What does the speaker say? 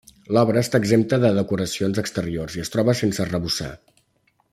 L'obra està exempta de decoracions exteriors i es troba sense arrebossar.